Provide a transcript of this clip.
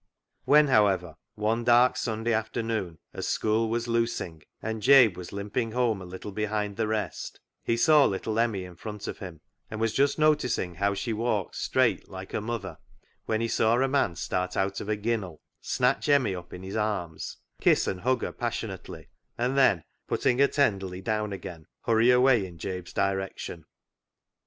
When, however, one dark Sunday afternoon i8 CLOG SHOP CHRONICLES as school was " loosing," and Jabe was limping home a little behind the rest, he saw little Emmie in front of him, and was just noticing how she walked " straight " like her mother, when he saw a man start out of a " ginnell," snatch Emmie up in his arms, kiss and hug her passionately, and then, putting her tenderly down again, hurry away in Jabe's direction.